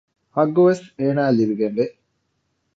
ޙައްޤުވެސް އޭނާއަށް ލިބިގެންވޭ